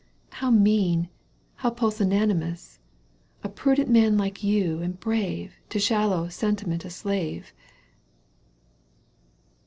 — How mean, how pusillanimous ! A prudent man like you and brave To shallow sentiment a slave